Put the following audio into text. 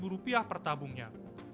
rp tiga puluh per tabungnya